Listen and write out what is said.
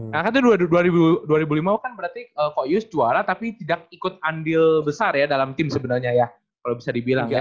karena kan itu dua ribu lima kan berarti kok yus juara tapi tidak ikut andil besar ya dalam tim sebenarnya ya kalau bisa dibilang ya